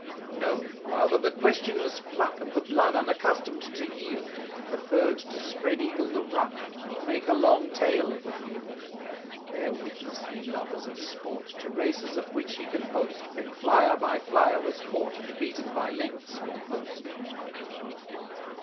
No! rather the questionless pluck Of the blood unaccustomed to yield, Preferred to spread eagle the ruck, And make a long tail of the "field". Bear witness, ye lovers of sport, To races of which he can boast, When flyer by flyer was caught, And beaten by lengths on the post!